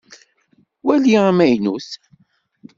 Wali amaynut.